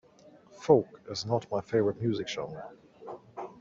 Folk is not my favorite music genre.